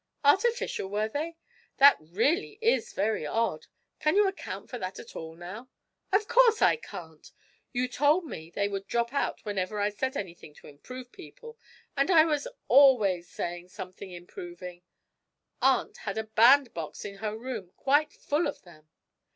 'Artificial, were they? that really is very odd! Can you account for that at all, now?' 'Of course I can't! You told me that they would drop out whenever I said anything to improve people and I was always saying something improving! Aunt had a bandbox in her room quite full of them.'